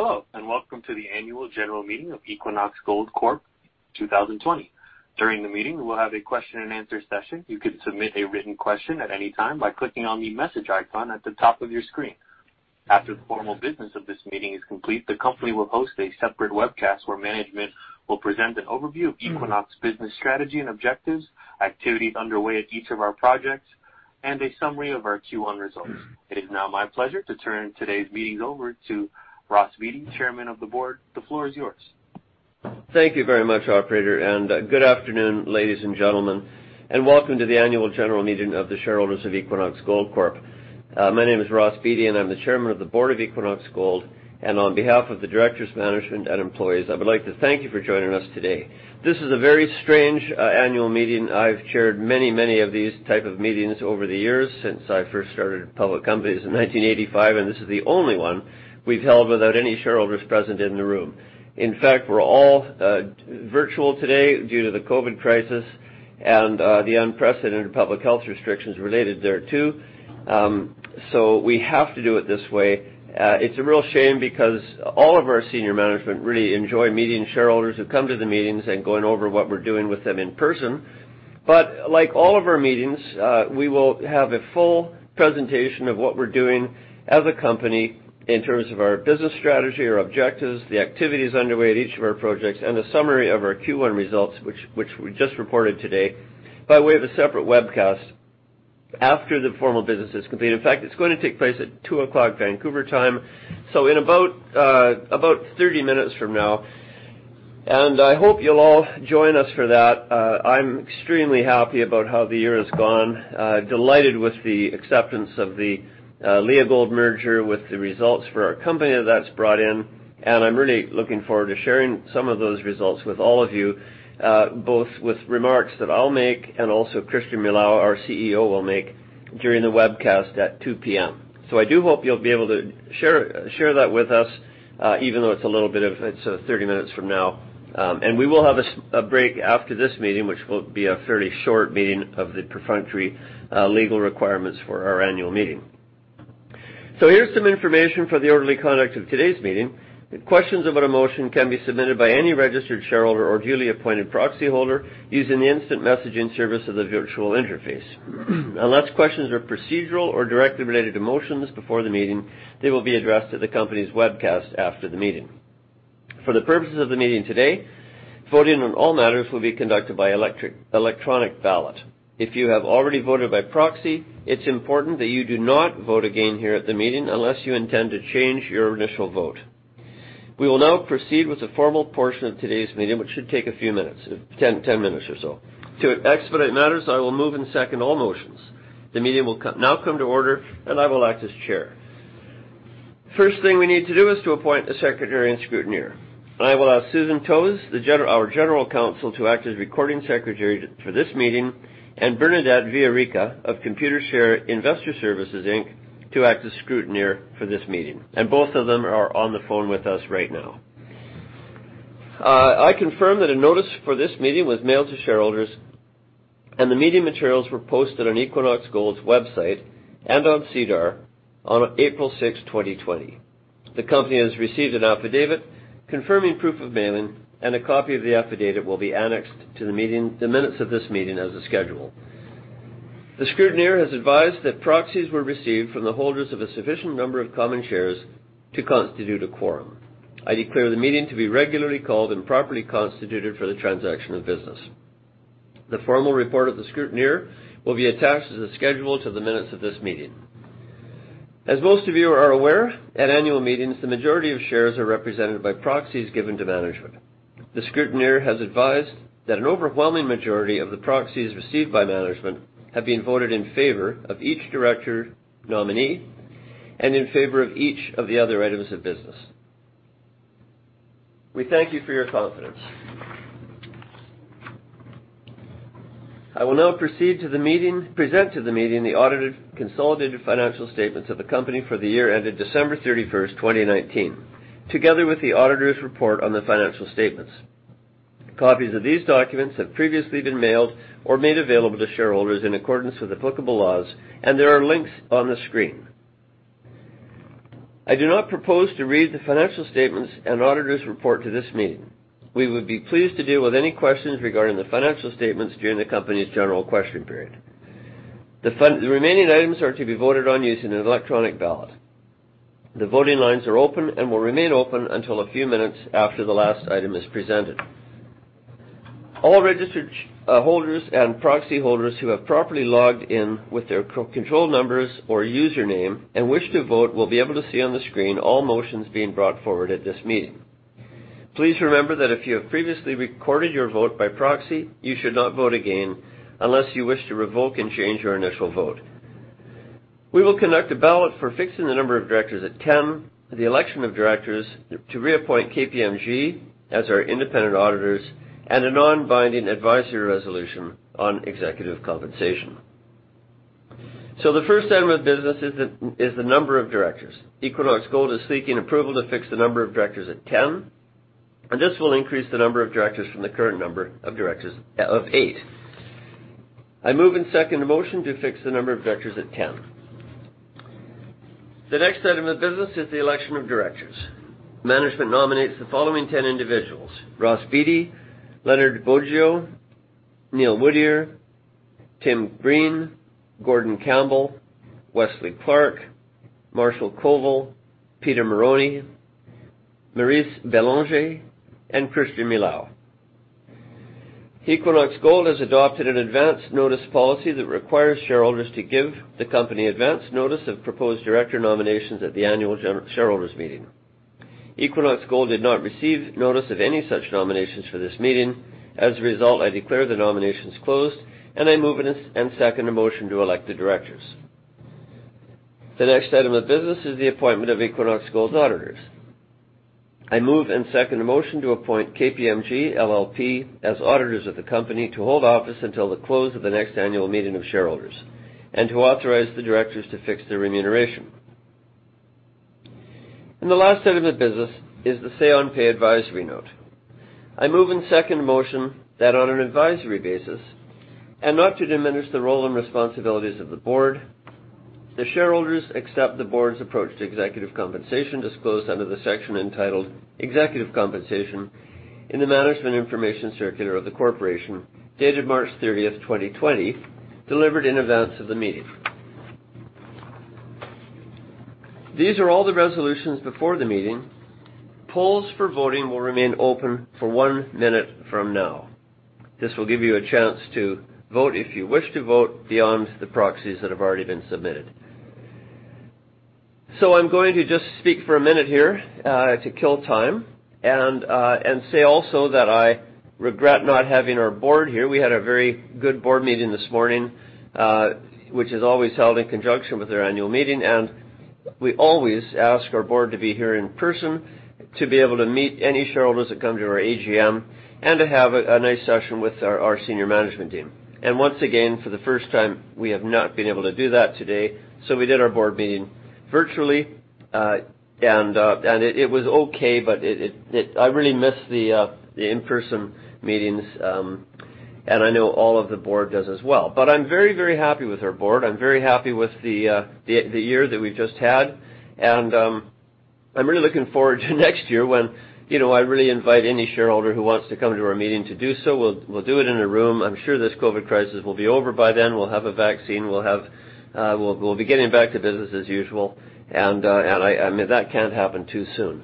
Hello, and welcome to the annual general meeting of Equinox Gold Corp 2020. During the meeting, we'll have a question and answer session. You can submit a written question at any time by clicking on the message icon at the top of your screen. After the formal business of this meeting is complete, the company will host a separate webcast where management will present an overview of Equinox business strategy and objectives, activities underway at each of our projects, and a summary of our Q1 results. It is now my pleasure to turn today's meetings over to Ross Beaty, Chairman of the Board. The floor is yours. Thank you very much, operator. Good afternoon, ladies and gentlemen, and welcome to the annual general meeting of the shareholders of Equinox Gold Corp. My name is Ross Beaty, and I'm the chairman of the board of Equinox Gold, and on behalf of the directors, management, and employees, I would like to thank you for joining us today. This is a very strange annual meeting. I've chaired many of these type of meetings over the years since I first started public companies in 1985, and this is the only one we've held without any shareholders present in the room. In fact, we're all virtual today due to the COVID crisis and the unprecedented public health restrictions related thereto. We have to do it this way. It's a real shame because all of our senior management really enjoy meeting shareholders who come to the meetings and going over what we're doing with them in person. Like all of our meetings, we will have a full presentation of what we're doing as a company in terms of our business strategy, our objectives, the activities underway at each of our projects, and a summary of our Q1 results, which we just reported today, by way of a separate webcast after the formal business is complete. In fact, it's going to take place at 2:00 P.M. Vancouver time, so in about 30 minutes from now. I hope you'll all join us for that. I'm extremely happy about how the year has gone. Delighted with the acceptance of the Leagold merger, with the results for our company that's brought in, and I'm really looking forward to sharing some of those results with all of you, both with remarks that I'll make and also Christian Milau, our CEO, will make during the webcast at 2:00 P.M. I do hope you'll be able to share that with us even though it's 30 minutes from now. We will have a break after this meeting, which will be a fairly short meeting of the perfunctory legal requirements for our annual meeting. Here's some information for the orderly conduct of today's meeting. Questions of a motion can be submitted by any registered shareholder or duly appointed proxyholder using the instant messaging service of the virtual interface. Unless questions are procedural or directly related to motions before the meeting, they will be addressed at the company's webcast after the meeting. For the purposes of the meeting today, voting on all matters will be conducted by electronic ballot. If you have already voted by proxy, it's important that you do not vote again here at the meeting unless you intend to change your initial vote. We will now proceed with the formal portion of today's meeting, which should take a few minutes, 10 minutes or so. To expedite matters, I will move and second all motions. The meeting will now come to order, and I will act as chair. First thing we need to do is to appoint a secretary and scrutineer. I will ask Susan Toews, our General Counsel, to act as recording secretary for this meeting, and Bernadette Villarica of Computershare Investor Services Inc. to act as scrutineer for this meeting. Both of them are on the phone with us right now. I confirm that a notice for this meeting was mailed to shareholders, and the meeting materials were posted on Equinox Gold's website and on SEDAR on April 6, 2020. The company has received an affidavit confirming proof of mailing, and a copy of the affidavit will be annexed to the minutes of this meeting as a schedule. The scrutineer has advised that proxies were received from the holders of a sufficient number of common shares to constitute a quorum. I declare the meeting to be regularly called and properly constituted for the transaction of business. The formal report of the scrutineer will be attached as a schedule to the minutes of this meeting. As most of you are aware, at annual meetings, the majority of shares are represented by proxies given to management. The scrutineer has advised that an overwhelming majority of the proxies received by management have been voted in favor of each director nominee and in favor of each of the other items of business. We thank you for your confidence. I will now present to the meeting the audited consolidated financial statements of the company for the year ended December 31st, 2019, together with the auditor's report on the financial statements. Copies of these documents have previously been mailed or made available to shareholders in accordance with applicable laws, and there are links on the screen. I do not propose to read the financial statements and auditor's report to this meeting. We would be pleased to deal with any questions regarding the financial statements during the company's general question period. The remaining items are to be voted on using an electronic ballot. The voting lines are open and will remain open until a few minutes after the last item is presented. All registered holders and proxy holders who have properly logged in with their control numbers or username and wish to vote will be able to see on the screen all motions being brought forward at this meeting. Please remember that if you have previously recorded your vote by proxy, you should not vote again unless you wish to revoke and change your initial vote. We will conduct a ballot for fixing the number of directors at 10, the election of directors to reappoint KPMG as our independent auditors, and a non-binding advisory resolution on executive compensation. The first item of business is the number of directors. Equinox Gold is seeking approval to fix the number of directors at 10, and this will increase the number of directors from the current number of directors of eight. I move and second the motion to fix the number of directors at 10. The next item of business is the election of directors. Management nominates the following 10 individuals: Ross Beaty, Lenard Boggio, Neil Woodyer, Tim Breen, Gordon Campbell, Wesley Clark, Marshall Koval, Peter Marrone, Maryse Bélanger, and Christian Milau. Equinox Gold has adopted an advance notice policy that requires shareholders to give the company advance notice of proposed director nominations at the annual shareholders' meeting. Equinox Gold did not receive notice of any such nominations for this meeting. As a result, I declare the nominations closed, and I move and second a motion to elect the directors. The next item of business is the appointment of Equinox Gold's auditors. I move and second a motion to appoint KPMG LLP as auditors of the company to hold office until the close of the next annual meeting of shareholders, and to authorize the directors to fix their remuneration. The last item of business is the say-on-pay advisory vote. I move and second a motion that on an advisory basis, and not to diminish the role and responsibilities of the board, the shareholders accept the board's approach to executive compensation disclosed under the section entitled "Executive Compensation" in the management information circular of the corporation, dated March 30, 2020, delivered in advance of the meeting. These are all the resolutions before the meeting. Polls for voting will remain open for one minute from now. This will give you a chance to vote if you wish to vote beyond the proxies that have already been submitted. I'm going to just speak for a minute here to kill time and say also that I regret not having our board here. We had a very good board meeting this morning, which is always held in conjunction with our annual meeting, and we always ask our board to be here in person to be able to meet any shareholders that come to our AGM and to have a nice session with our senior management team. Once again, for the first time, we have not been able to do that today. We did our board meeting virtually. It was okay, but I really miss the in-person meetings, and I know all of the board does as well. I'm very happy with our board. I'm very happy with the year that we've just had. I'm really looking forward to next year when I really invite any shareholder who wants to come to our meeting to do so. We'll do it in a room. I'm sure this COVID crisis will be over by then. We'll have a vaccine. We'll be getting back to business as usual. That can't happen too soon.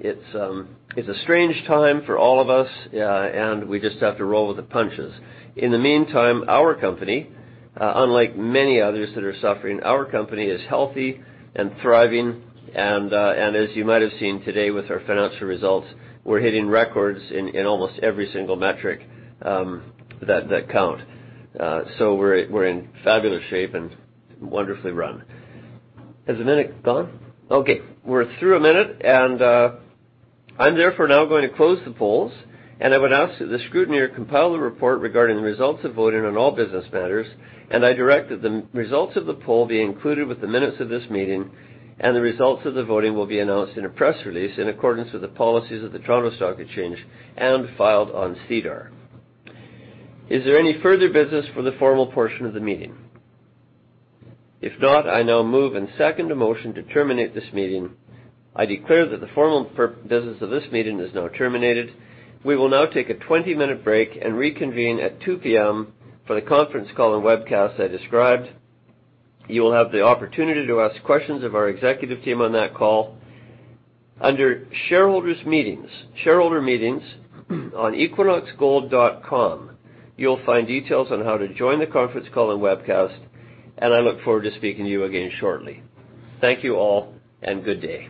It's a strange time for all of us, and we just have to roll with the punches. In the meantime, our company, unlike many others that are suffering, our company is healthy and thriving. As you might have seen today with our financial results, we're hitting records in almost every single metric that count. We're in fabulous shape and wonderfully run. Has the minute gone? Okay. We're through a minute, and I'm therefore now going to close the polls, and I would ask that the scrutineer compile the report regarding the results of voting on all business matters, and I direct that the results of the poll be included with the minutes of this meeting, and the results of the voting will be announced in a press release in accordance with the policies of the Toronto Stock Exchange and filed on SEDAR. Is there any further business for the formal portion of the meeting? If not, I now move and second a motion to terminate this meeting. I declare that the formal business of this meeting is now terminated. We will now take a 20-minute break and reconvene at 2:00 P.M. for the conference call and webcast I described. You will have the opportunity to ask questions of our executive team on that call. Under shareholder meetings on equinoxgold.com, you'll find details on how to join the conference call and webcast, and I look forward to speaking to you again shortly. Thank you all, and good day.